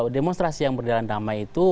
demonstrasi yang berjalan damai itu